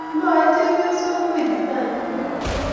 Loei chepyosok, wendi tai ngweny